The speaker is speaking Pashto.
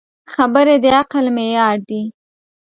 خبرې د عقل معیار دي.